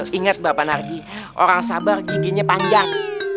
lihat bapak nardi orang sabar giginya panjang